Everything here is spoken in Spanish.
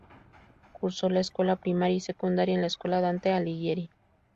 Cursó la escuela primaria y secundaria en la escuela Dante Alighieri.